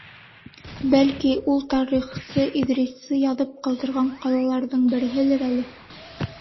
Бәлки, ул тарихсы Иҙриси яҙып ҡалдырған ҡалаларҙың береһелер әле?